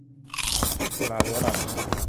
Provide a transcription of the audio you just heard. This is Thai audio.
พิษสุราเรื้อรัง